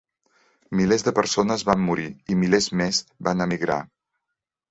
Milers de persones van morir i milers més van emigrar.